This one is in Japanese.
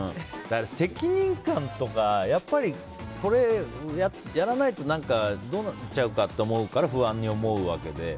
責任感とか、これをやらないとどうなっちゃうかって思うから不安に思うわけで。